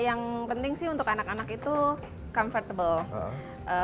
yang penting sih untuk anak anak itu comfortable